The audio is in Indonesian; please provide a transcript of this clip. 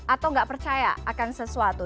atau nggak percaya akan sesuatu